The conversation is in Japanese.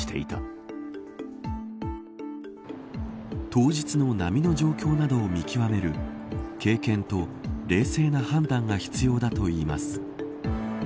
当日の波の状況などを見極める経験と冷静な判断が必要だといいます。